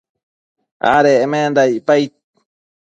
adecmenda icpaid